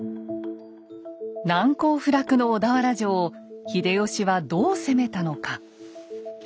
難攻不落の小田原城を秀吉はどう攻めたのか。